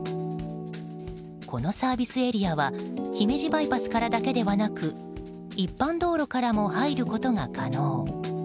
このサービスエリアは姫路バイパスからだけではなく一般道路からも入ることが可能。